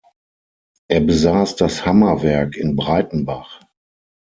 Er besaß das Hammerwerk in Breitenbach.